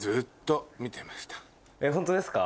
ホントですか？